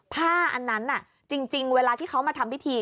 อันนั้นจริงเวลาที่เขามาทำพิธี